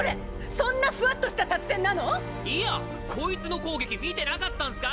そんなフワッとした作戦なの⁉イヤコイツの攻撃見てなかったんすか？